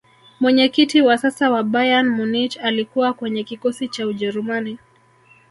mwenyekiti wa sasa wa bayern munich alikuwa kwenye kikosi cha ujerumani